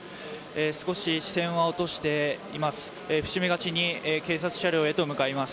少し視線は落としています。